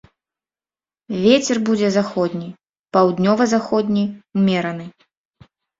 Вецер будзе заходні, паўднёва-заходні ўмераны.